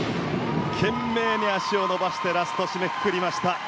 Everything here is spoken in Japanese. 懸命に足を伸ばしてラスト、締めくくりました。